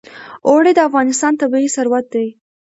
اوړي د افغانستان طبعي ثروت دی.